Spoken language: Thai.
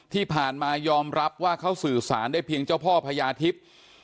ที่ผ่านมายอมรับว่าเขาสื่อสารได้เพียงเจ้าพ่อพญาทิพย์